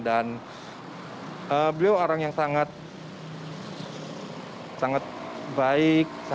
dan beliau orang yang sangat baik